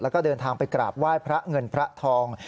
แล้วก็เดินทางไปกราบไหว้พระเงินพระทอง